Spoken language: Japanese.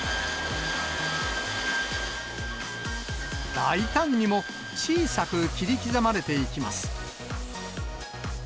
大胆にも、小さく切り刻まれていきます。